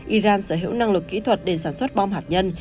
iran sở hữu năng lực kỹ thuật để sản xuất bom hạt nhân